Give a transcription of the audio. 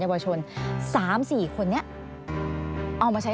อันดับที่สุดท้าย